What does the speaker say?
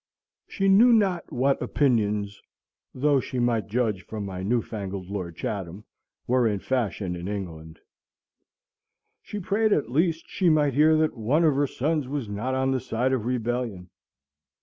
She knew not what opinions (though she might judge from my newfangled Lord Chatham) were in fashion in England. She prayed, at least, she might hear that one of her sons was not on the side of rebellion.